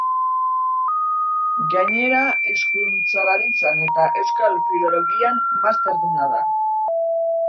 Gainera Hizkuntzalaritzan eta Euskal Filologian masterduna da.